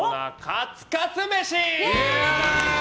カツカツ飯！